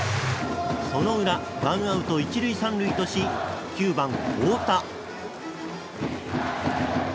その裏、ワンアウト１塁３塁とし９番、太田。